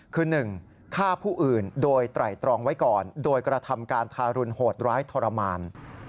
คือ๑ฆ่าผู้อื่นโดยไตรตรองไว้ก่อนโดยกระทำการทารุณโหดร้ายทรมาน